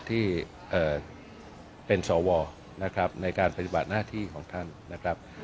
ที่เป็นสวนะครับในการปฏิบัติหน้าที่ของท่านนะครับ